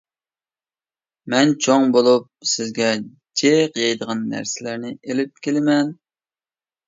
مەن چوڭ بولۇپ سىزگە جىق يەيدىغان نەرسىلەرنى ئېلىپ كېلىمەن.